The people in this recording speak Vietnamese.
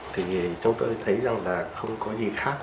thì chúng tôi thấy rằng là không có gì khác